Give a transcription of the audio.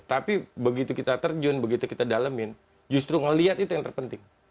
tapi begitu kita terjun begitu kita dalemin justru ngelihat itu yang terpenting